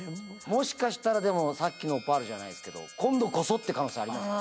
もしかしたらでもさっきのオパールじゃないですけど今度こそって可能性あります。